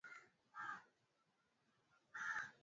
walichapisha picha zao ili kupata wanaume wao